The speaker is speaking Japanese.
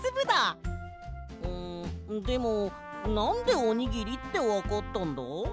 うんでもなんでおにぎりってわかったんだ？